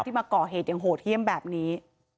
มาก่อเหตุอย่างโหดเยี่ยมแบบนี้